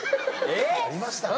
ありましたね。